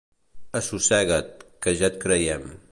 Assossega't, que ja et creiem.